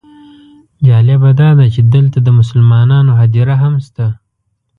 جالبه داده چې دلته د مسلمانانو هدیره هم شته.